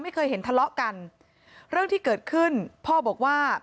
ไม่เคยเห็นทะเลาะกันเรื่องที่เกิดขึ้นพ่อบอกว่า